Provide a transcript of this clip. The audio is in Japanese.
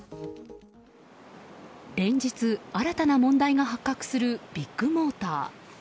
連日新たな問題が発覚するビッグモーター。